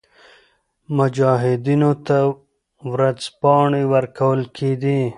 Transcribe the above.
مجاهدینو ته ورځپاڼې ورکول کېدې.